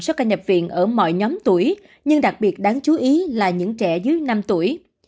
số ca nhập viện ở mọi nhóm tuổi nhưng đặc biệt đáng chú ý là những trẻ dưới năm tuổi